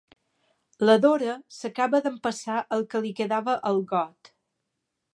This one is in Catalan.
La Dora s'acaba d'empassar el que li quedava al got.